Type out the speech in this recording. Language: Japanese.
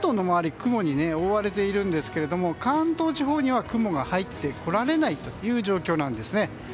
雲に覆われているんですが関東地方には雲が入ってこられない状況なんですね。